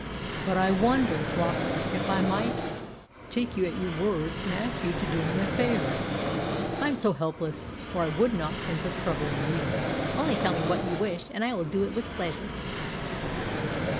"But I wonder, Flockart, if I might take you at your word, and ask you to do me a favour? I am so helpless, or I would not think of troubling you." "Only tell me what you wish, and I will do it with pleasure."